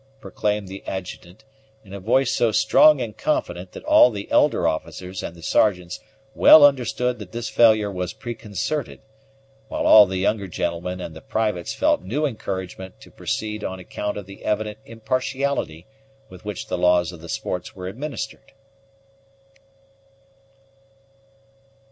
proclaimed the Adjutant, in a voice so strong and confident that all the elder officers and the sergeants well understood that this failure was preconcerted, while all the younger gentlemen and the privates felt new encouragement to proceed on account of the evident impartiality with which the laws of the sports were administered.